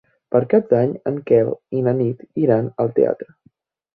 Per Cap d'Any en Quel i na Nit iran al teatre.